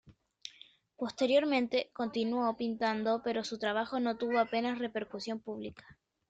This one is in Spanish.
Posteriormente continuó pintando pero su trabajo no tuvo apenas repercusión pública.